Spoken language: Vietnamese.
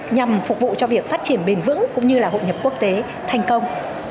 nhằm phục vụ cho việc phát triển bền vững cũng như là hội nhập quốc tế thành công